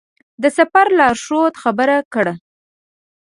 د سفر لارښود خبر کړو.